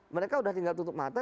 mereka sudah tinggal tutup mata